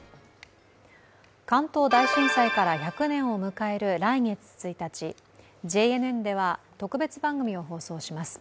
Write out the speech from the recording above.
関東大震災から１００年を迎える来月１日、ＪＮＮでは特別番組を放送します。